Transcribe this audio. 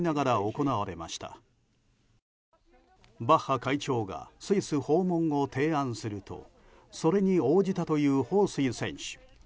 バッハ会長がスイス訪問を提案するとそれに応じたというホウ・スイ選手。